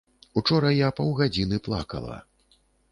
Учора я паўгадзіны плакала.